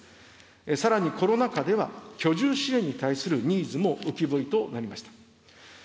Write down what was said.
さらにコロナ禍では、居住支援に対するニーズも浮き彫りとなりました。